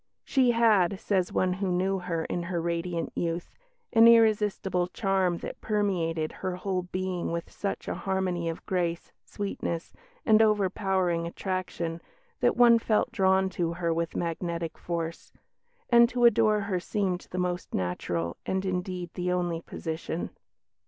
She had, says one who knew her in her radiant youth, "an irresistible charm that permeated her whole being with such a harmony of grace, sweetness, and overpowering attraction that one felt drawn to her with magnetic force; and to adore her seemed the most natural and indeed the only position."